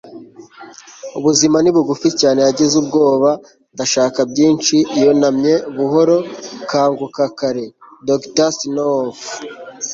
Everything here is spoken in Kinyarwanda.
ubuzima ni bugufi cyane, yagize ubwoba, ndashaka byinshi. yunamye buhoro, kanguka kare. - dr. sunwolf